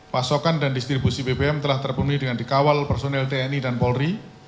pasokan dan distribusi bbm telah terpenuhi dengan dikawal personil tni dan polri